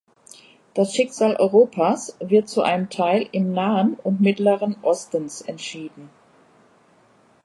Das Schicksal Europas wird zu einem Teil im Nahen und Mittleren Ostens entschieden.